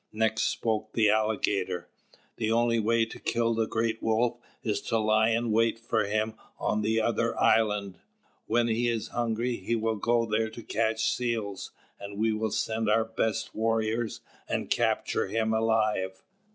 Next spoke the Alligator: "The only way to kill the Great Wolf is to lie in wait for him on the other island. When he is hungry, he will go there to catch seals; and we will send our best warriors and capture him alive."